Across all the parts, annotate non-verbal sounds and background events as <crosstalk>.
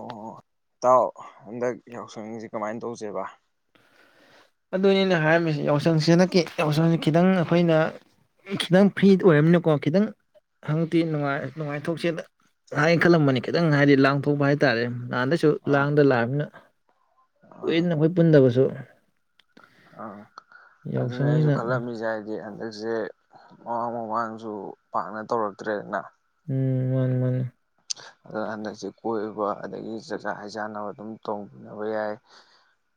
ꯑꯣ ꯏꯇꯥꯎ ꯍꯟꯗꯛ ꯌꯥꯎꯁꯪꯁꯤ ꯀꯃꯥꯏꯅ ꯇꯧꯁꯦꯕꯥ ꯑꯗꯨꯅꯤ ꯑꯩꯅ ꯍꯥꯏꯔꯝꯃꯤꯁꯦ ꯌꯥꯎꯁꯪꯁꯤ ꯍꯟꯗꯛꯀꯤ ꯌꯥꯎꯁꯪꯁꯤ ꯈꯤꯇꯪ ꯑꯩꯈꯣꯏꯅ ꯈꯤꯇꯪ ꯐ꯭ꯔꯤ ꯑꯣꯏꯔꯕꯅꯤꯅꯀꯣ ꯈꯤꯇꯪ ꯍꯟꯇꯛꯇꯤ ꯅꯨꯡꯉꯥꯏꯊꯣꯛꯁꯦ ꯍꯥꯏꯅ ꯈꯜꯂꯝꯕꯅꯤ ꯈꯤꯇꯪ ꯍꯥꯏꯗꯤ ꯂꯥꯡꯊꯣꯛꯄ ꯍꯥꯏ ꯇꯥꯔꯦ ꯅꯍꯥꯟꯗꯩꯁꯨ ꯑꯥ ꯂꯥꯡꯗ ꯂꯥꯛꯑꯕꯅꯤꯅ ꯑꯥ ꯀꯨꯏꯔꯦꯗꯅ ꯑꯩꯈꯣꯏ ꯄꯨꯟꯗꯕꯁꯨ <inaudible> ꯑꯥ ꯑꯗꯨꯅꯤ ꯌꯥꯎꯁꯪꯅꯤꯅ ꯑꯩꯁꯨ ꯈꯜꯂꯝꯃꯤꯁꯦ ꯍꯥꯏꯗꯤ ꯍꯟꯗꯛ ꯁꯦ ꯃꯃꯥꯡ ꯃꯃꯥꯡꯁꯨ ꯄꯥꯛꯅ ꯇꯧꯔꯛꯇ꯭ꯔꯦꯗꯅ ꯎꯝ ꯃꯥꯅꯤ ꯃꯥꯅꯤ ꯑꯗꯨ ꯍꯟꯗꯛꯁꯦ ꯀꯣꯏꯕ ꯑꯗꯒꯤ ꯆꯥꯛꯆꯥ ꯍꯩ ꯆꯥꯅꯕ ꯑꯗꯨꯝ ꯇꯧꯅꯕ ꯌꯥꯏ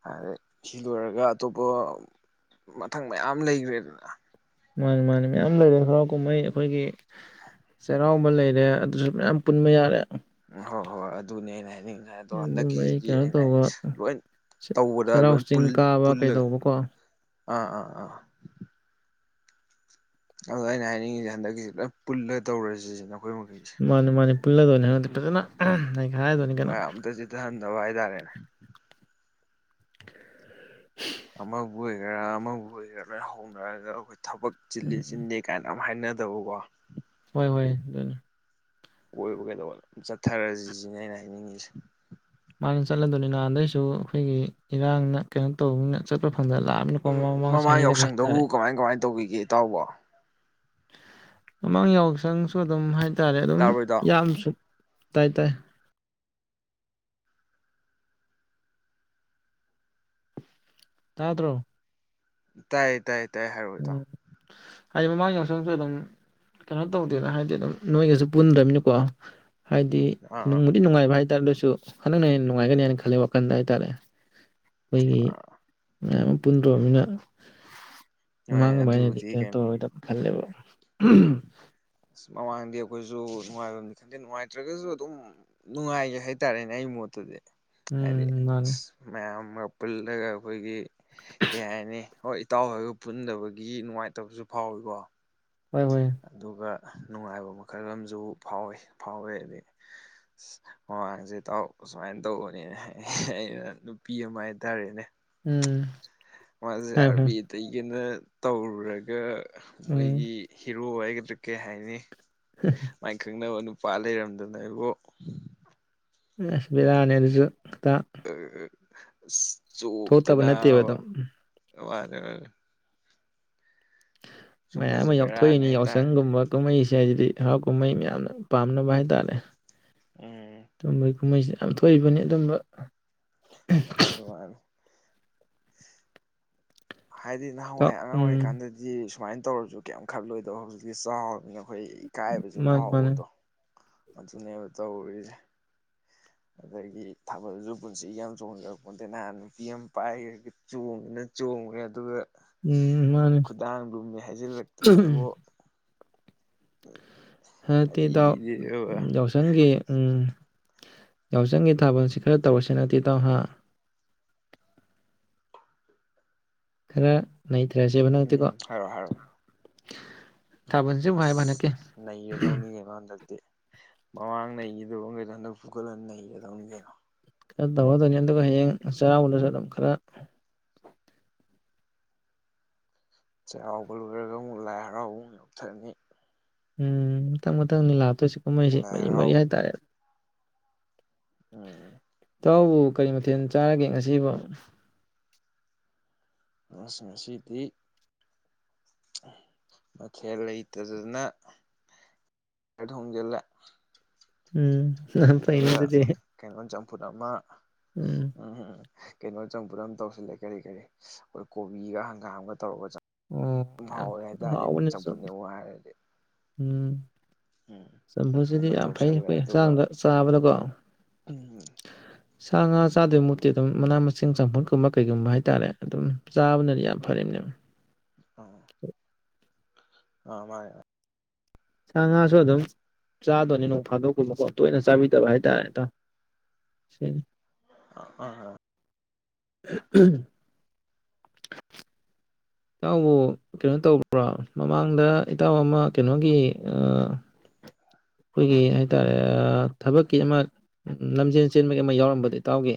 ꯑꯗ ꯁꯤ ꯂꯣꯏꯔꯒ ꯑꯇꯣꯞꯄ ꯃꯊꯪ ꯃꯌꯥꯝ ꯂꯩꯒ꯭ꯔꯦꯗꯅ ꯃꯥꯅꯤ ꯃꯥꯅꯤ ꯃꯌꯥꯝ ꯂꯩꯔꯦ ꯍꯔꯥꯎ ꯀꯨꯝꯍꯩ ꯑꯩꯈꯣꯏꯒꯤ ꯆꯩꯔꯥꯎꯕ ꯂꯩꯔꯦ ꯑꯗꯨꯁꯨ ꯃꯌꯥꯝ ꯄꯨꯟꯕ ꯌꯥꯔꯦ ꯍꯣ ꯍꯣꯏ ꯑꯗꯨꯅꯦ ꯑꯩꯅ ꯍꯥꯏꯅꯤꯡ ꯑꯗꯣ ꯑꯗꯨꯝꯕꯩ ꯍꯟꯗꯛꯀꯤꯁꯤꯗꯤ ꯀꯩꯅꯣ ꯑꯩꯅ ꯇꯧꯕ ꯂꯣꯏ ꯇꯧꯕꯗ ꯆꯩꯔꯥꯎ ꯂꯣꯏ ꯆꯤꯡ ꯀꯥꯕ ꯄꯨꯜꯂꯒ ꯀꯩꯗꯧꯕꯀꯣ ꯑꯥ ꯑꯥ ꯑꯥ ꯑꯗꯣ ꯑꯩꯅ ꯍꯥꯏꯅꯤꯡꯉꯤꯁꯦ ꯍꯟꯗꯛꯀꯤꯁꯤ ꯂꯣꯏ ꯄꯨꯜꯂ ꯇꯧꯔꯁꯤ ꯁꯤꯅꯤ ꯃꯥꯅꯦ ꯃꯥꯅꯦ ꯄꯨꯜꯂꯒꯅꯦ ꯍꯟꯗꯛꯇꯤ ꯐꯖꯅ ꯑꯍꯝ ꯍꯣꯏ ꯑꯝꯇ ꯆꯤꯠꯊꯍꯟꯗꯕ ꯍꯥꯏꯇꯥꯔꯦꯅꯦ ꯑꯃꯕꯨ ꯑꯣꯏꯒꯦꯔꯥ ꯑꯃꯕꯨ ꯑꯣꯏꯒꯦꯔꯥ ꯂꯣꯏ ꯍꯧꯅꯔꯒ ꯑꯩꯈꯣꯏ ꯊꯕꯛ ꯆꯤꯜꯂꯤ ꯎꯝ ꯆꯤꯟꯗꯦ ꯀꯥꯏꯅ ꯍꯥꯏꯅꯗꯕꯀꯣ ꯍꯣꯏ ꯍꯣꯏ ꯑꯗꯨꯅꯦ ꯀꯣꯏꯕ ꯀꯩꯗꯧꯕ ꯑꯗꯨꯝ ꯆꯠꯊꯔꯁꯤ ꯁꯤꯅꯦ ꯑꯩꯅ ꯍꯥꯏꯅꯤꯡꯉꯤꯁꯦ꯫ ꯆꯠꯂꯗꯧꯅꯤ ꯅꯍꯥꯟꯗꯩꯁꯨ ꯑꯩꯈꯣꯏꯒꯤ ꯏꯔꯥꯡꯅ ꯀꯩꯅꯣ ꯇꯧꯕꯅꯤꯅ ꯆꯠꯄ ꯐ ꯎꯝ ꯃꯃꯥꯡ ꯌꯥꯎꯁꯪꯗꯕꯨ ꯀꯃꯥꯏ ꯀꯃꯥꯏ ꯇꯧꯒꯤꯒꯦ ꯏꯇꯥꯎꯕꯣ ꯃꯃꯥꯡ ꯌꯥꯎꯁꯪꯁꯨ ꯑꯗꯨꯝ ꯍꯥꯏ ꯍꯥꯏꯇꯥꯔꯦ ꯑꯗꯨꯝ ꯇꯥꯕ꯭ꯔꯣ ꯏꯇꯥꯎ ꯌꯥꯝꯁꯨ ꯇꯥꯏ ꯇꯥꯏ ꯇꯥꯗ꯭ꯔꯣ ꯇꯥꯏꯌꯦ ꯇꯥꯏꯌꯦ ꯍꯥꯏ ꯍꯥꯏꯔꯣ ꯏꯇꯥꯎ ꯎꯝ ꯍꯥꯏꯗꯤ ꯃꯃꯥꯡ ꯌꯥꯎꯁꯣꯝꯁꯨ ꯑꯗꯨꯝ ꯀꯩꯅꯣ ꯇꯧꯗꯦꯅ ꯍꯥꯏꯗꯤ ꯑꯗꯨꯝ ꯅꯣꯏꯒꯁꯨ ꯄꯨꯟꯗ꯭ꯝꯅꯤꯅ ꯀꯣ ꯍꯥꯏꯗꯤ ꯑꯥ ꯅꯨꯡꯕꯨꯗꯤ ꯅꯨꯡꯉꯥꯏꯕ ꯍꯥꯏ <unintelligible> ꯑꯂꯥꯁꯨ ꯍꯟꯗꯪꯅ ꯍ ꯅꯨꯡꯉꯥꯏꯒꯅꯤ ꯍꯥꯏꯅ ꯈꯜꯂꯤꯦ ꯋꯥꯈꯟꯗ ꯍꯥꯏꯇꯥꯔꯦ ꯑꯩꯈꯣꯏꯒꯤ ꯑꯥ <unintelligible> ꯄꯨꯨꯝꯗꯗꯔꯣ ꯃꯤꯅ ꯍꯣꯏ ꯃꯥꯥꯡꯕꯥꯏꯅꯦꯗꯤ ꯑꯗꯨꯕꯨꯗꯤ ꯀꯩꯅ ꯇꯣ ꯀꯩꯅꯣ ꯐꯂꯦꯕꯣ <unintelligible> ꯑꯁ ꯃꯃꯥꯡꯗꯤ ꯑꯩꯈꯣꯏꯁꯨ ꯅꯨꯡꯉꯥꯏꯐꯝꯅꯤ ꯈꯟꯗꯦ ꯅꯨꯡꯉꯥꯏꯇ꯭ꯔꯒꯁꯨ ꯑꯗꯨꯝ ꯅꯨꯡꯉꯥꯏꯒꯦ ꯍꯥꯏꯇꯥꯔꯦꯅꯦ ꯑꯩꯒꯤ ꯃꯣꯠꯇꯗꯤ ꯑꯗꯤ ꯎꯝ ꯃꯥꯅꯦ ꯃꯌꯥꯝ <unintelligible> ꯄꯨꯂꯒꯥ ꯑꯀꯣꯏꯒꯤ ꯀ ꯍꯥꯏꯅꯤ ꯍ ꯏꯇꯥꯎ ꯍꯥꯏꯔꯒ ꯄꯨꯟꯗꯕꯒꯤ ꯅꯨꯡꯉꯥꯏꯇꯕꯁꯨ ꯐꯥꯎꯋꯤꯀꯣ ꯍꯣꯏ ꯍꯣꯏ ꯑꯗꯨꯒ ꯅꯨꯡꯉꯥꯏꯕ ꯃꯈꯜ ꯑꯃꯁꯨ ꯐꯥꯎꯋꯦ ꯐꯥꯎꯋꯦ ꯑꯗꯒꯤ ꯑ ꯃꯃꯥꯡꯁꯦ ꯇꯥꯎꯔꯛꯄ ꯁꯨꯃꯥꯏꯅ ꯇꯧꯕꯅꯤꯅ ꯑꯩꯅ ꯅꯨꯄꯤ ꯑꯃ ꯍꯥꯏꯇꯥꯔꯦꯅꯦ ꯎꯝ <unintelligible> ꯐꯔꯦ ꯐꯔꯦ <unintelligible> ꯎꯔꯨꯔꯒꯥ ꯎꯝ ꯃꯣꯏꯒꯤ ꯍꯤꯔꯣ ꯔꯨ ꯑꯩꯒꯗꯔꯥ ꯀꯩ ꯍꯥꯏꯅꯤ ꯃꯥꯏ ꯈꯪꯅꯕ <unintelligible> ꯄꯥ ꯂꯩꯔꯝꯗꯅ ꯑꯩꯕꯣ ꯑꯁ ꯕꯤꯔꯅꯤ ꯑꯗꯨꯁꯨ ꯈꯤꯇ ꯎꯝ ꯎꯝ <unintelligible> ꯊꯣꯛꯇꯕ ꯅꯠꯇꯦꯕ ꯑꯗꯨ <unintelligible> ꯃꯌꯥꯝ ꯁꯨꯝꯕꯁꯦ ꯑꯃ ꯕꯦꯔꯥꯅꯦ ꯌꯥꯎꯊꯣꯛꯏꯅꯤ ꯍꯥꯏꯇꯥꯔꯦ ꯌꯥꯎꯁꯪꯒꯨꯝꯕ ꯀꯨꯝꯍꯩꯁꯦ ꯍꯥꯏꯗꯤ ꯍꯔꯥꯎ ꯀꯨꯝꯍꯩ ꯃꯌꯥꯝꯅ ꯄꯥꯝꯅꯕ ꯍꯥꯏꯇꯥꯔꯦ ꯎꯝ ꯀꯨꯝꯍꯩꯁꯤ ꯌꯥꯝ ꯊꯣꯛꯏꯕꯅꯤ ꯑꯗꯨꯝꯕ <unintelligible> ꯍꯥꯏꯗꯤ ꯏꯇꯥꯎ ꯅꯍꯥꯟꯋꯥꯏ ꯑꯉꯥꯡ ꯎꯝ ꯑꯣꯏꯔꯤꯀꯥꯟꯗꯗꯤ ꯁꯨꯃꯥꯏꯅ ꯇꯧꯔꯁꯨ ꯀꯌꯥꯝ ꯈꯜꯂꯣꯏꯗꫭ ꯍꯧꯖꯤꯛꯇꯤ ꯆꯥꯎꯔꯝꯅꯤꯅ ꯑꯩꯈꯣꯏ ꯏꯀꯥꯏꯕꯁꯨ ꯃꯥꯅꯤ ꯃꯥꯅꯤ ꯐꯥꯎꯕꯗꯨ ꯑꯗꯨꯅꯦꯕ ꯇꯧꯔꯤꯁꯦ ꯑꯗꯒꯤ ꯊꯥꯕꯜꯁꯨ ꯄꯨꯟꯁꯤꯒꯤ ꯌꯥꯝ ꯊꯆꯣꯡꯖꯔꯛꯄꯣꯇꯦ ꯅꯍꯥꯟ ꯅꯨꯄꯤ ꯑꯃ ꯄꯥꯏ <unintelligible> ꯆꯣꯡꯉꯦꯅ ꯆꯣꯡꯉꯦ ꯑꯗꯨꯒ ꯎꯝ ꯃꯥꯅꯤ ꯈꯨꯗꯥꯡ ꯂꯨꯝꯃꯤ ꯍꯥꯏꯖꯤꯜꯂꯛꯇꯅ ꯏꯕꯣ <unintelligible> ꯍꯟꯗꯛꯇꯤ ꯏꯇꯥꯎ ꯑꯩꯗꯤꯕ ꯌꯥꯎꯁꯪꯒꯤ ꯎꯝ ꯌꯥꯎꯁꯪꯒꯤ ꯊꯥꯕꯜꯁꯤ ꯈꯔ ꯇꯧꯔꯁꯤꯅ ꯍꯟꯗꯛꯇꯤ ꯏꯇꯥꯎ ꯍꯥ ꯈꯔ ꯅꯩꯊꯔꯁꯦꯕ ꯎꯝ ꯍꯟꯗꯛꯇꯤꯀꯣ ꯍꯥꯏꯔꯛꯑꯣ ꯍꯥꯏꯔꯛꯑꯣ <unintelligible> ꯊꯥꯕꯜꯁꯤꯕꯨ ꯍꯥꯏꯕ ꯍꯟꯗꯛꯀꯤ <unintelligible> ꯃꯃꯥꯡ ꯅꯩꯈꯤꯗꯕ ꯀꯩꯗꯣ ꯍꯟꯗꯛ ꯐꯨꯒꯠꯂ ꯅꯩꯒꯗꯕꯅꯤ ꯀꯩꯅꯣ ꯈꯔ <unintelligible> ꯑꯗꯨꯒ ꯍꯌꯦꯡ ꯆꯩꯔꯥꯎꯕꯗꯁꯨ ꯑꯗꯨꯝ ꯈꯔ ꯆꯩꯔꯥꯎꯕ ꯂꯣꯏꯔꯒ ꯑꯃꯨꯛ ꯂꯥꯏ ꯍꯔꯥꯎꯕ ꯑꯃꯨꯛ <unintelligible> ꯎꯝ ꯃꯊꯪ ꯃꯊꯪꯅꯤ ꯂꯥ ꯀꯨꯝꯍꯩꯁꯤ ꯂꯥꯏ ꯃꯔꯤ ꯃꯔꯤ ꯍꯔꯥꯎ ꯍꯥꯏꯇꯥꯔꯦ ꯎꯝ ꯏꯇꯥꯎꯕꯨ ꯀꯔꯤ ꯃꯊꯦꯜ ꯆꯥꯔꯒꯦ ꯉꯁꯤꯕꯨ ꯑꯁ ꯉꯁꯤꯗꯤ ꯃꯊꯦꯜ ꯂꯩꯇꯗꯅ ꯊꯣꯡꯖꯤꯜꯂꯦ ꯎꯝ ꯐꯩꯌꯦ ꯑꯗꯨꯒ ꯑꯗꯨꯗꯤ ꯀꯩꯅꯣ ꯆꯝꯐꯨꯠ ꯑꯃ ꯎꯝ ꯎꯝꯝ ꯀꯩꯅꯣ ꯆꯝꯐꯨꯠ ꯑꯃ ꯇꯧꯁꯤꯜꯂꯦ ꯀꯔꯤ ꯀꯔꯤ ꯀꯣꯕꯤꯒ ꯍꯪꯒꯥꯝꯒ ꯇꯧꯔꯒ ꯆꯪ <unintelligible> ꯍꯥꯎꯕꯅꯤ ꯆꯝꯐꯨꯠꯅꯦꯕꯨ ꯍꯥꯏꯔꯗꯤ ꯎꯝ ꯎꯝ ꯆꯝꯐꯨꯠꯁꯤꯗꯤ ꯑꯃ ꯌꯥꯝ ꯐꯩ ꯇꯧꯁꯜꯂꯦ ꯑꯈꯣꯏ ꯑꯗꯨꯒ ꯍꯛꯆꯥꯡꯗ ꯆꯥꯕꯗꯀꯣ ꯁꯥ ꯉꯥ ꯆꯥꯗꯣꯏꯃꯨꯛꯇꯤ ꯑꯗꯨꯝ ꯃꯅꯥ ꯃꯁꯤꯡ ꯆꯝꯐꯨꯠꯀꯨꯝꯕ ꯀꯩꯒꯨꯝꯕ ꯍꯥꯏ ꯇꯥꯔꯦ ꯑꯗꯨꯝ ꯆꯥꯕꯅꯗꯤ ꯌꯥꯝ ꯐꯔꯤꯅꯦ <unintelligible> ꯑ ꯃꯥ <unintelligible> ꯁꯥ ꯉꯥꯁꯨ ꯑꯗꯨꯝ ꯆꯥꯗꯣꯅꯤ ꯅꯣꯡ ꯐꯥꯗꯣꯛꯀꯨꯝꯕꯀꯣ ꯇꯣꯏꯅ ꯆꯥꯕꯤꯗꯕ ꯍꯥꯏꯇꯥꯔꯦ <unintelligible> <unintelligible> <unintelligible> ꯏꯇꯥꯎꯕꯨ ꯀꯩꯅꯣ ꯇꯧ꯭ꯔꯥ ꯃꯃꯥꯡꯗ ꯏꯇꯥꯎ ꯑꯃ ꯀꯩꯅꯣꯒꯤ ꯑ ꯑꯈꯣꯏꯒꯤ ꯍꯥꯏꯇꯥꯔꯦ ꯊꯕꯛꯀꯤ ꯑꯃ ꯂꯝꯖꯦꯟ ꯆꯦꯟꯕꯒꯤ ꯑꯃ ꯌꯥꯎꯔꯝꯕꯗꯣ ꯏꯇꯥꯎꯒꯤ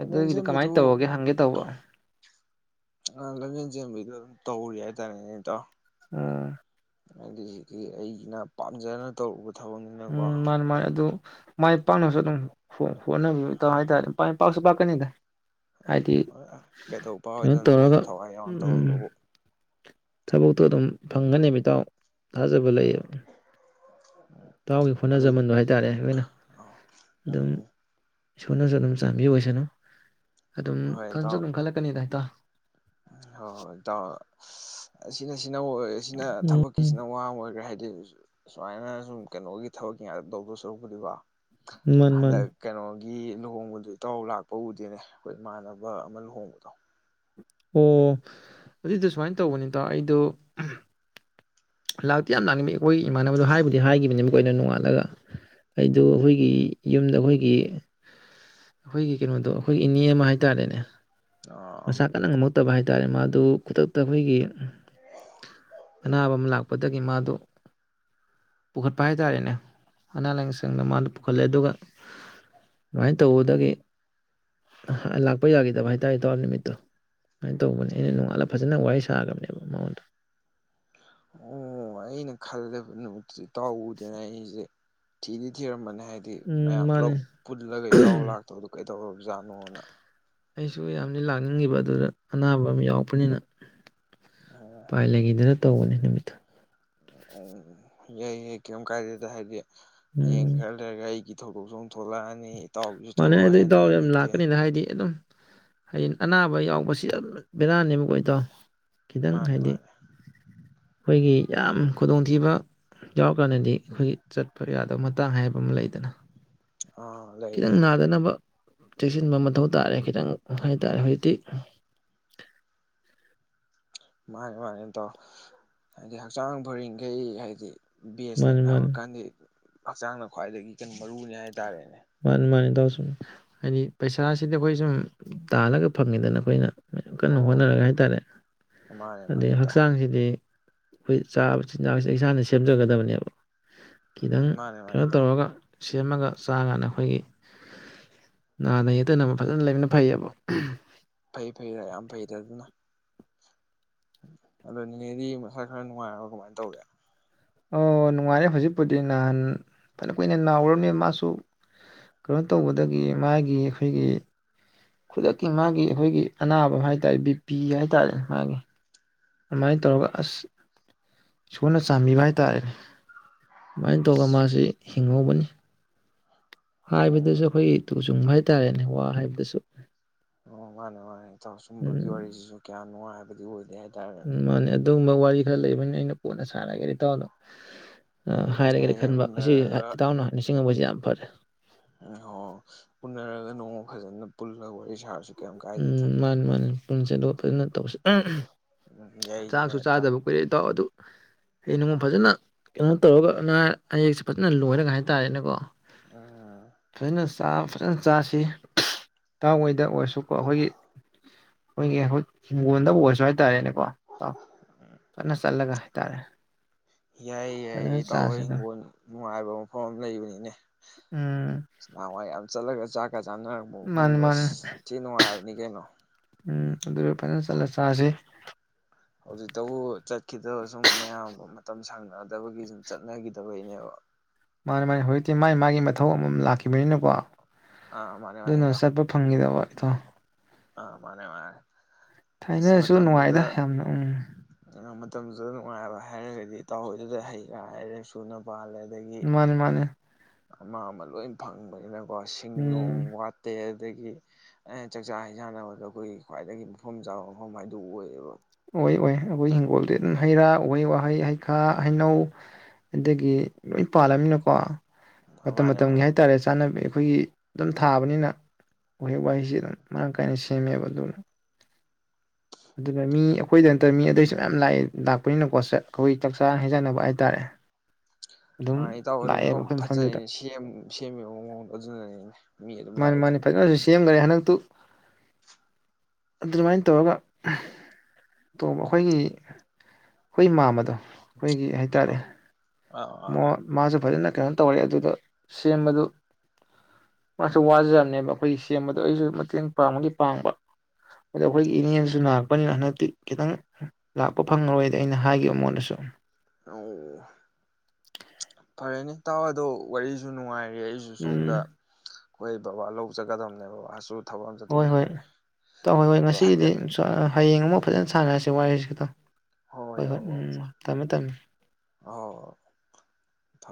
ꯂꯝꯖꯦꯟ ꯆꯦꯟꯕꯩꯗꯨ ꯀꯃꯥꯏꯅ ꯇꯧꯔꯒꯦ ꯍꯪꯒꯦ ꯇꯧꯕ ꯑ ꯂꯝꯖꯦꯟ ꯆꯦꯟꯕꯩꯗꯨ ꯇꯧꯔꯤ ꯍꯥꯏꯇꯥꯔꯦꯅꯦ ꯏꯇꯥꯎ ꯎꯝ ꯍꯥꯏꯗꯤ <unintelligible> ꯑꯩꯅ ꯄꯥꯝꯖꯅ ꯇꯧꯔꯨꯕ ꯊꯕꯛꯅꯤꯅꯀꯣ ꯎꯝ ꯃꯥꯅꯦ ꯃꯥꯅꯦ ꯑꯗꯨ꯫ ꯃꯥꯏ ꯄꯥꯛꯅꯕꯁꯨ ꯑꯗꯨꯝ ꯍꯣꯠꯅꯕꯤꯌꯨ ꯢꯇꯥꯎ ꯍꯥꯏꯇꯥꯔꯦ ꯃꯥꯏ ꯄꯥꯛꯁꯨ ꯄꯥꯛꯀꯅꯤꯗ꯫ ꯍꯥꯏꯗꯤ ꯀꯩꯗꯧꯕ ꯀꯩꯅꯣ ꯄꯥꯗ ꯇꯧꯔꯒ ꯊꯋꯥꯏ ꯌꯥꯎꯅ ꯎꯝ ꯇꯧꯔꯒꯕꯨ꯫ ꯊꯕꯛꯇꯣ ꯑꯗꯨꯝ ꯐꯪꯒꯅꯦ ꯏꯇꯥꯎ꯫ ꯊꯥꯖꯕ ꯑꯥ ꯂꯩꯌꯦꯕ ꯏꯇꯥꯎꯒꯤ ꯑꯗꯨ ꯍꯣꯠꯅꯖꯃꯟꯗꯣ ꯍꯥꯏꯇꯥꯔꯦ ꯂꯣꯏꯅ꯫ ꯎꯝ ꯏꯁꯣꯔꯅꯁꯨ ꯑꯗꯨꯝ ꯆꯥꯟꯕꯤ ꯑꯣꯏꯁꯅꯨ꯫ ꯑꯗꯨꯝ ꯈꯟꯁꯨ ꯑꯗꯨꯝ ꯈꯜꯂꯛꯀꯅꯤꯗ ꯏꯇꯥꯎ꯫ ꯍꯣ ꯍꯣꯏ ꯏꯇꯥꯎ꯫ <unintelligible> ꯑꯁꯤꯅ ꯁꯤ ꯅꯪꯑꯣꯏ ꯁꯤꯅ ꯎꯝ ꯊꯕꯛꯀꯤꯁꯤꯅ ꯋꯥꯃ ꯑꯣꯏꯈ꯭ꯔꯦ ꯍꯥꯏꯗꯤ ꯁꯨꯃꯥꯏꯅ ꯁꯨꯝ ꯀꯩꯅꯣꯒꯤ ꯊꯕꯛ ꯇꯧꯗꯧ ꯁꯔꯨꯛꯄꯨꯗꯤꯀꯣ ꯃꯥꯅꯤ ꯃꯥꯅꯤ ꯍꯟꯗꯛ ꯀꯩꯅꯣ ꯒꯤ ꯂꯨꯍꯣꯡꯕꯗꯨ ꯏꯇꯥꯎ ꯂꯥꯛꯄ ꯎꯗꯦꯅꯦ ꯑꯩꯈꯣꯏ ꯏꯃꯥꯟꯅꯕ ꯑꯃ ꯂꯨꯍꯣꯡꯕꯗꯣ꯫ ꯑꯣ ꯑꯗꯨꯏꯗꯣ ꯁꯨꯃꯥꯏꯅ ꯇꯧꯕꯅꯤꯗ ꯑꯩꯗꯣ ꯂꯥꯛꯇꯤ ꯌꯥꯝ ꯂꯥꯛꯅꯤꯡ ꯍꯣꯏ ꯏꯃꯥꯟꯅꯕꯗꯣ ꯍꯥꯏꯕꯕꯨꯗꯤ ꯍꯥꯏꯒꯤꯕꯅꯦ ꯃꯣꯏꯅ ꯅꯣꯡꯉꯥꯜꯂꯒ ꯑꯩꯗꯣ ꯑꯩꯈꯣꯏꯒꯤ ꯌꯨꯝꯗ ꯑꯩꯈꯣꯏꯒꯤ ꯑꯩꯈꯣꯏꯒꯤ ꯀꯩꯅꯣꯗꯣ ꯑꯩꯈꯣꯏꯒꯤ ꯏꯅꯦ ꯑꯃ ꯍꯥꯏꯇꯥꯔꯦꯅꯦ꯫ ꯑꯥ ꯃꯁꯥ ꯀꯟꯅ ꯉꯝꯍꯧ ꯐꯠꯇꯕ ꯍꯥꯏꯇꯥꯔꯦ ꯃꯥꯗꯨ ꯈꯨꯗꯛꯇ ꯑꯩꯈꯣꯏꯒꯤ ꯑꯅꯥꯕ ꯑꯃ ꯂꯥꯛ ꯄꯗꯒꯤ ꯃꯥꯗꯣ ꯄꯨꯈꯠꯄ ꯍꯥꯏꯇꯥꯔꯦꯅꯦ ꯑꯅꯥ ꯂꯥꯏꯌꯦꯡ ꯁꯪꯗ ꯃꯥꯗ ꯄꯨꯈꯠꯂꯦ ꯑꯗꯨꯒ ꯑꯗꯨꯃꯥꯏꯅ ꯇꯧꯕꯗꯒꯤ ꯂꯥꯛꯄ ꯌꯥꯈꯤꯗꯕ ꯍꯥꯏꯇꯥꯔꯦ ꯏꯇꯥꯎ ꯅꯨꯃꯤꯠꯇꯣ꯫ ꯑꯃꯥꯏꯅ ꯇꯧꯕꯅꯦ ꯑꯩꯅ ꯅꯣꯡꯉꯥꯜꯂꯒ ꯐꯖꯅ ꯋꯥꯔꯤ ꯁ ꯊꯥꯒꯕꯅꯦ ꯃꯣꯟꯗ꯫ ꯑꯣ ꯑꯩꯅ ꯈꯜꯂꯦꯕ ꯅꯨꯃꯤꯠꯇꯣ ꯏꯇꯥꯎ ꯎꯗꯦꯅ ꯑꯩꯁꯦ ꯊꯤꯗꯤ ꯊꯤꯔꯝꯕꯅꯦ꯫ ꯍꯥꯏꯗꯤ ꯎꯝ ꯃꯌꯥꯝ ꯃꯥꯅꯦ ꯄꯨꯂꯞ ꯄꯨꯜꯂꯒ ꯏꯇꯥꯎ ꯂꯥꯛꯇꯕꯗꯣ ꯀꯩ <unintelligible> ꯑꯩꯁꯨ ꯌꯥꯝꯅ ꯂꯥꯛꯅꯤꯡꯉꯤꯕ ꯑꯗꯨꯗ ꯑꯅꯥꯕ ꯑꯃ ꯌꯥꯎꯔꯛꯄꯅꯤꯅ꯫ ꯑꯣ ꯎꯄꯥꯏ ꯂꯩꯈꯤꯗꯅ ꯇꯧꯕꯅꯦ ꯅꯨꯃꯤꯠꯇꯣ꯫ ꯎꯝ ꯌꯥꯏ ꯌꯥꯏ ꯀꯩꯝ ꯀꯥꯏꯗꯦꯗ ꯍꯥꯏꯗꯤ ꯍꯌꯦꯡ ꯎꯝ ꯈꯔ ꯂꯩꯔꯒ ꯑꯩꯒꯤ ꯊꯧꯗꯣꯛꯆ ꯊꯣꯛꯂꯛꯑꯅꯤ ꯏꯇꯥꯎꯕꯤꯁꯨ ꯃꯥꯅꯦ ꯊꯣꯛꯂꯛꯑꯣꯏ ꯑꯗꯨ ꯏꯇꯥꯎ ꯍꯥꯏꯅꯤꯡꯉꯥꯏ ꯌꯥꯝ ꯂꯩꯇꯦ꯫ ꯂꯥꯛꯀꯅꯤꯗ ꯍꯥꯏꯗꯤ ꯑꯗꯨꯝ ꯍꯌꯦꯡ ꯑꯅꯥꯕ ꯌꯥꯎꯕꯁꯦ ꯕꯦꯔꯥꯅꯦꯕ ꯏꯇꯥꯎ꯫ ꯈꯤꯇꯪ ꯃꯥꯅꯦ ꯍꯥꯏꯗꯤ ꯃꯥꯅꯦ ꯑꯩꯈꯣꯏꯒꯤ ꯌꯥꯝ ꯈꯨꯗꯣꯡꯊꯤꯕ ꯌꯥꯎꯔꯀꯥꯟꯗꯗꯤ ꯑꯩꯈꯣꯏꯒꯤ ꯆꯠꯄ ꯌꯥꯗꯕ ꯃꯇꯥꯡ ꯍꯥꯏꯕ ꯑꯃ ꯂꯩꯗꯅ ꯑꯥ ꯂꯩ ꯈꯤꯇꯪ ꯂꯩ ꯂꯩ ꯅꯥꯗꯅꯕ ꯆꯦꯛꯁꯤꯟꯕ ꯃꯊꯧ ꯇꯥꯔꯦ ꯈꯤꯇꯪ ꯍꯥꯏꯇꯥꯔꯦ ꯍꯧꯖꯤꯛꯇꯤ ꯃꯥꯅꯦ ꯃꯥꯅꯦ ꯇꯥꯎ ꯍꯥꯏꯗꯤ ꯍꯛꯆꯥꯡ ꯐꯔꯤꯡꯈꯩ ꯍꯥꯏꯗꯤ ꯕꯦꯁꯅꯦ ꯃꯥꯅꯤ ꯃꯥꯅꯤ <unintelligible> ꯍꯛꯆꯥꯡꯅ ꯈ꯭ꯋꯥꯏꯗꯒꯤ ꯀꯩꯅꯣ ꯃꯔꯨꯅꯤ ꯍꯥꯏꯇꯥꯔꯦꯅꯦ ꯃꯥꯅꯤ ꯃꯥꯅꯤ ꯏꯇꯥꯎ ꯁꯨꯝ ꯍꯥꯏꯗꯤ ꯄꯩꯁꯥꯁꯤꯗꯤ ꯑꯩꯈꯣꯏ ꯁꯨꯝ ꯇꯥꯜꯂꯒ ꯐꯪꯉꯤꯗꯅ ꯑꯩꯈꯣꯏꯅ ꯀꯟꯅ ꯑꯣ ꯍꯣꯠꯅꯔꯒ ꯍꯥꯏꯇꯥꯔꯦ ꯃꯥꯅꯦ ꯃꯥꯅꯦ ꯑꯗꯩ ꯏꯇꯥꯎ ꯍꯛꯆꯥꯡꯁꯤꯗꯤ ꯑꯩꯈꯣꯏ ꯆꯥꯕ ꯆꯤꯟꯖꯥꯛꯁꯦ ꯏꯁꯥꯅ ꯁꯦꯝꯖꯒꯗꯕꯅꯦꯕ ꯈꯤꯇꯪ ꯃꯥꯅꯦ ꯃꯥꯅꯦ ꯀꯩꯅꯣ ꯏꯇꯥꯎ ꯇꯧꯔꯒ ꯁꯦꯝꯃꯒ ꯆꯥꯉꯥꯅ ꯑꯩꯈꯣꯏꯒꯤ ꯅꯥꯗ ꯌꯦꯛꯇꯅꯕ ꯐꯖꯅ ꯂꯩꯕꯅ ꯐꯩꯌꯦꯕ ꯐꯩ ꯐꯩꯔ ꯌꯥꯝ ꯐꯩꯗ ꯑꯗꯨꯅ ꯑꯗꯣ ꯅꯤꯅꯦꯗꯤ ꯃꯁꯥ ꯈꯔ ꯅꯨꯡꯉꯥꯏꯔꯕ ꯀꯃꯥꯏꯅ ꯇꯧꯔꯒꯦ ꯑꯣ ꯅꯨꯡꯉꯥꯏꯔꯦ ꯍꯧꯖꯤꯛꯄꯨꯗꯤ ꯅꯍꯥꯟ ꯐꯅ ꯀꯨꯏꯅ ꯅꯥꯎꯔꯝꯅꯦ ꯃꯥꯁꯨ ꯀꯩꯅꯣ ꯇꯧꯕꯗꯒꯤ ꯃꯥꯒꯤ ꯑꯩꯈꯣꯏꯒꯤ ꯈꯨꯗꯛꯀꯤ ꯃꯥꯒꯤ ꯑꯩꯈꯣꯏꯒꯤ ꯑꯅꯥꯕ ꯍꯥꯏ ꯇꯥꯔꯦ ꯕꯤꯄꯤ ꯍꯥꯏ ꯇꯥꯔꯦ ꯃꯥꯒꯤ ꯑꯗꯨꯃꯥꯏꯅ ꯇꯧꯔꯒ ꯑꯁ ꯏꯁꯣꯟꯅ ꯆꯥꯟꯕꯤꯕ ꯍꯥꯏꯇꯥꯥꯔꯦ ꯁꯨꯃꯥꯏ ꯇꯧꯔꯒ ꯑꯁ ꯃꯥꯁꯤ ꯍꯤꯡꯍꯧꯕꯅꯤ ꯍꯥꯏꯕꯗꯁꯨ ꯑꯩꯈꯣꯏꯒꯤ ꯇꯨꯆꯨꯡꯕ ꯍꯥꯏꯇꯥꯔꯦꯅꯦ ꯋꯥ ꯍꯥꯏꯕꯁꯨ ꯑꯣ ꯃꯥꯅꯦ ꯃꯥꯅꯦ ꯏꯇꯥꯎ ꯁꯨꯝꯕꯒꯤ ꯋꯥꯔꯤꯁꯤꯁꯨ ꯀꯌꯥ ꯅꯨꯡꯉꯥꯏ ꯑꯗꯨ ꯑꯣꯏꯕ ꯌꯥꯏ ꯎꯝ ꯃꯥꯅꯦ ꯑꯗꯨꯝꯕ ꯋꯥꯔꯤ ꯈ ꯂꯩꯩꯕꯅꯦ ꯑꯩꯅ ꯀꯣꯟꯅ ꯁꯔꯒꯦꯅ ꯏꯇꯥꯎꯗ ꯍꯥꯏꯔꯒꯗꯤ ꯍꯦꯛ ꯍꯦꯛ ꯈꯟꯕ ꯑꯁꯤ ꯎꯅꯔꯒ ꯏꯇꯥꯎꯅ ꯅꯤꯡꯁꯤꯡꯉꯝꯕꯁꯤ ꯌꯥꯝ ꯐꯔꯦ ꯑꯣ ꯎꯅꯔꯒ ꯅꯣꯡꯃ ꯐꯖꯅ ꯄꯨꯜꯂꯒ ꯋꯥꯔꯤ ꯁꯥꯁꯤ ꯎꯝ ꯃꯥꯅꯤ ꯃꯥꯅꯤ ꯄꯨꯡꯁꯦꯗꯣ ꯐꯖꯅ ꯇꯧꯁꯤ ꯎꯝ ꯌꯥꯏ ꯌꯥꯏ ꯆꯥꯛꯁꯨ ꯏꯇꯥꯎ ꯆꯥꯗꯕ ꯀꯨꯏꯔꯦ ꯏꯇꯥꯎ ꯑꯗꯨ ꯍꯌꯦꯡ ꯅꯉꯣꯟ ꯐꯖꯅ ꯀꯩꯅꯣ ꯇꯧꯔꯒ ꯑꯅꯥ ꯑꯌꯦꯛꯁꯦ ꯐꯖꯅ ꯂꯣꯏꯔꯒ ꯍꯥꯏꯇꯥꯔꯦꯅꯦꯀꯣ ꯎꯝ ꯐꯖꯅ ꯆꯥꯛ ꯑꯝ ꯐꯖꯅ ꯆꯥꯁꯤ ꯏꯇꯥꯎ ꯍꯣꯏꯗ ꯑꯣꯏꯁꯨ ꯀꯣ ꯑꯩꯈꯣꯏꯒꯤ ꯑꯩꯈꯣꯏꯒꯤ ꯍꯨꯠ ꯍꯤꯡꯒꯣꯟꯗꯕꯨ ꯑꯣꯏꯔꯁꯨ ꯍꯥꯏꯇꯥꯔꯦꯅꯦꯀꯣꯥ ꯐꯅ ꯆꯠꯂꯒ ꯍꯥꯏ ꯇꯥꯔꯦ ꯌꯥꯏ ꯌꯥꯏ ꯏꯇꯥꯎ ꯍꯣꯏ ꯍꯤꯡꯒꯣꯟ ꯅꯨꯡꯉꯥꯏꯕ ꯃꯐꯝ ꯑꯃ ꯂꯩꯕꯅꯤꯅꯦ ꯎꯝ ꯅꯍꯥꯟꯋꯥꯏ ꯌꯥꯝ ꯆꯠꯂꯒ ꯆꯥꯛꯀ ꯆꯥꯅꯔꯛꯄ ꯃꯥꯅꯤ ꯃꯐꯝꯗꯣ ꯃꯥꯅꯤ ꯊꯤ ꯅꯨꯡꯉꯥꯏꯔꯕꯅꯤ ꯀꯩꯅꯣ ꯑ <unintelligible> ꯑꯗꯨꯒ ꯐꯖꯅ ꯆꯠꯂ ꯆꯁꯤ ꯍꯧꯖꯤꯛꯇꯕꯨ ꯆꯠꯈꯤꯗꯕ ꯁꯨꯝ ꯃꯌꯥꯝ ꯃꯇꯝ ꯁꯥꯡꯅꯗꯕꯒꯤ ꯁꯨꯝ ꯆꯠꯅꯈꯤꯗꯕꯒꯤꯅꯦꯕ ꯃꯥ ꯃꯥꯥꯏ ꯍꯧꯖꯤꯛꯇꯤ ꯃꯥꯥꯏ ꯃꯥꯒꯤ ꯃꯊꯧ ꯂꯥꯛꯈꯤꯕꯅꯤꯅꯀꯣ ꯑꯥ ꯃꯥꯅꯦ ꯑꯗꯨꯅ ꯆꯠꯄ ꯐꯪꯈꯤꯗꯕ ꯏꯠꯇ <unintelligible> ꯑ ꯃꯥꯅꯦ ꯃꯥꯅꯦ ꯑꯁ ꯊꯥꯏꯅꯁꯨ ꯅꯨꯡꯉꯥꯏꯗ ꯃꯇꯝꯗꯨꯗ ꯌꯥꯝꯅ ꯎꯝ ꯃꯇꯝꯗꯨꯗ ꯅꯨꯡꯉꯥꯏꯕ ꯍꯥꯏꯔꯒꯗꯤ ꯇꯥꯎꯍꯣꯏꯗꯨꯗ ꯍꯩ ꯀꯥꯏꯔꯦ ꯁꯨꯅ ꯄꯥꯜꯂꯦ ꯑꯗꯒꯤ ꯃꯥꯅꯤ ꯃꯥꯅꯤ ꯑꯃ ꯑꯃ ꯂꯣꯏ ꯐꯪꯕꯅꯤꯅ ꯀꯣ ꯁꯤꯡ ꯅꯨꯡ ꯎꯝ ꯋꯥꯇꯦ <unintelligible> ꯏꯥ ꯍꯟꯖꯥꯟꯅꯕꯗ ꯑꯩꯈꯣꯏꯒꯤ ꯈ꯭ꯋꯥꯏꯗꯒꯤ ꯃꯐꯝ ꯆꯥꯕ ꯃꯐꯝ ꯍꯥꯏꯗꯨ ꯑꯣꯏꯌꯦꯕ ꯑꯣꯏ ꯑꯣꯏ ꯑꯩꯈꯣꯏ ꯍꯤꯡꯒꯣꯜꯗꯤ ꯑꯗꯨꯝ ꯍꯩ ꯔꯥ ꯎꯍꯩ ꯋꯥꯍꯩ ꯍꯩ ꯍꯩꯈꯥ ꯍꯩꯅꯧ ꯑꯗꯒꯤ ꯂꯣꯏ ꯄꯥꯜꯂꯃꯤꯅꯀꯣ ꯃꯇꯝ ꯃꯥꯅꯦ ꯃꯇꯝꯒꯤ ꯃꯥꯅꯦ ꯍꯥꯏꯇꯥꯔꯦ ꯆꯥꯅꯕꯤ ꯑꯩꯈꯣꯏꯒꯤ ꯑꯗꯨꯝ ꯊꯥꯕꯅꯤꯅ ꯎꯍꯦꯛ ꯋꯥꯍꯩꯁꯤ ꯑꯗꯨꯝ ꯃꯔꯥꯡ ꯀꯥꯏꯅ ꯁꯦꯝꯃꯦꯕ ꯑꯗꯨꯅ ꯑꯗꯨꯅ ꯃꯤ ꯑꯩꯈꯣꯏꯗ ꯅꯠꯇꯅ ꯃꯤ ꯑꯗꯨꯏꯁꯨ ꯃꯌꯥꯝ ꯂꯥꯛꯑꯦ ꯂꯥꯛꯄꯅꯤꯅꯀꯣ ꯑꯩꯈꯣꯏ ꯆꯥꯛꯆꯥꯥ ꯍꯩꯖꯅꯕ ꯍꯥꯏꯇꯥꯔꯦ ꯑꯗꯨꯝ ꯏꯇꯥꯎ ꯑꯗꯨꯝ ꯁ ꯂꯥꯛꯑꯦꯕ ꯑꯩꯈꯣꯏ ꯐꯖꯔꯤ ꯃꯐꯝꯗꯨꯗ ꯁꯦꯝꯃꯤꯕ ꯃꯑꯣꯡꯗꯣ ꯑꯗꯨꯗꯅꯦꯅꯦ ꯃꯤ ꯑꯗꯨꯝ ꯂꯥꯛꯑꯗꯨ ꯑꯗꯨ ꯑꯗꯨꯃꯥꯏꯅ ꯇꯧꯔꯒ ꯇꯣꯝ ꯑꯩꯈꯣꯏꯒꯤ ꯑꯩꯈꯣꯏꯒꯤ ꯃꯃꯥꯗꯣ ꯑꯩꯈꯣꯏꯒꯤ ꯍꯥꯏꯇꯥꯔꯦ ꯑꯥ ꯑꯥ ꯑꯥ ꯃ ꯃꯥꯁꯨ ꯐꯖꯅ ꯀꯩꯅꯣ ꯇꯧꯔꯦ ꯑꯗꯨꯗ ꯁꯦꯝꯕꯗꯨ ꯃꯥꯁꯨ ꯋꯥꯖꯔꯝꯅꯦꯕ ꯑꯩꯈꯣꯏꯒꯤ ꯁꯦꯝꯕꯗꯣ ꯑꯩꯁꯨ ꯃꯇꯦꯡ ꯄꯥꯡꯕꯒꯤ ꯄꯥꯡꯕ ꯑꯗꯣ ꯑꯩꯈꯣꯏꯒꯤ ꯏꯅꯦꯅꯁꯨ ꯂꯥꯛꯄꯅꯤꯅ ꯍ ꯃꯇꯛ ꯈꯤꯇꯪ ꯂꯥꯛꯄ ꯐꯪꯉꯔꯣꯏꯗꯤ ꯑꯩꯅ ꯍꯥꯏꯈꯤꯕ ꯃꯉꯣꯟꯗꯁꯨ ꯑ <unintelligible> ꯐꯔꯦꯅꯦ ꯇꯥꯎ ꯑꯗꯣ ꯋꯥꯔꯤꯁꯨ ꯅꯨꯡꯉꯥꯏꯔꯤ ꯑꯣꯏ ꯑꯩꯁꯨ ꯁꯣꯝꯗ ꯎꯝ ꯑꯩꯈꯣꯏ ꯕꯕꯥ ꯂꯧ ꯖꯒꯗꯕꯅꯦꯕ ꯕꯕꯥꯁꯨ ꯊꯕꯛ ꯑꯃ ꯍꯣꯏ ꯍꯣꯏ ꯆꯠꯊꯣꯛꯈꯤꯕꯅꯦ ꯇ ꯍꯣꯏ ꯍꯣꯏ ꯑꯗꯣ ꯉꯁꯤꯒꯤꯗꯤ ꯍꯥꯏꯐꯦꯠ ꯍꯌꯦꯡ ꯑꯃꯨꯛ ꯐꯖꯅ ꯁꯥꯟꯅꯔꯁꯤ ꯋꯥꯔꯤꯍꯁꯤ ꯍꯣꯏ ꯍꯣꯏ ꯌꯥꯏ ꯌꯥꯏ <inaudible> ꯐꯔꯦ